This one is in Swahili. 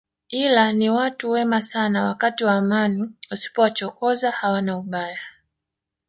Ila ni watu wema sana wakati wa amani usipowachokoza hawana ubaya